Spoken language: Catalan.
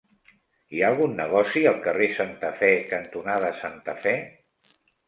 Hi ha algun negoci al carrer Santa Fe cantonada Santa Fe?